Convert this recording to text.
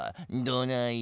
どない？